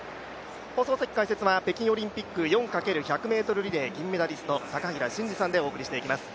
放送席解説は北京オリンピック４×１００ｍリレー銀メダリスト高平慎士さんでお送りしていきます。